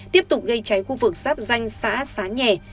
tiếp tục gây cháy khu vực sáp danh xã xá nhè